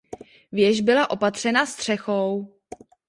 Věž byla opatřena střechou.